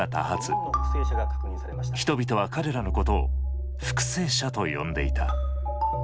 人々は彼らのことを復生者と呼んでいた。